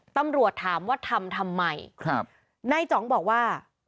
ตำรวจถามว่าทำทำไมครับนายจ๋องบอกว่า